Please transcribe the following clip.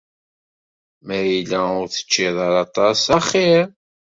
Ma yella ur teččiḍ ara aṭas axiṛ.